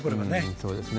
そうですね。